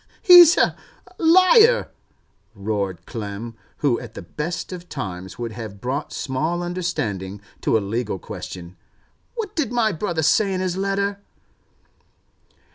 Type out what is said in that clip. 'He's a —— liar!' roared Clem, who at the best of times would have brought small understanding to a legal question. 'What did my brother say in his letter?